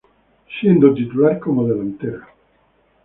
Siendo titular como delantera.